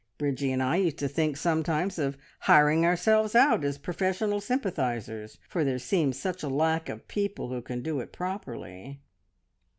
Bridgie and I used to think sometimes of hiring ourselves out as professional sympathisers, for there seems such a lack of people who can do it properly."